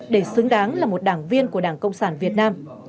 để xứng đáng là một đảng viên của đảng cộng sản việt nam